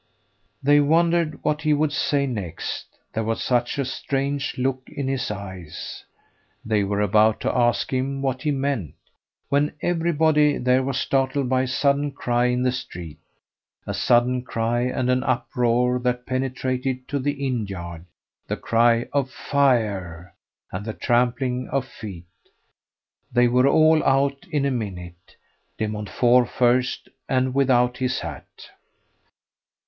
They wondered what he would say next, there was such a strange look in his eyes. They were about to ask him what he meant, when everybody there was startled by a sudden cry in the street a sudden cry and an uproar that penetrated to the inn yard the cry of "Fire!" and the trampling of feet. They were all out in a minute, De Montfort first, and without his hat.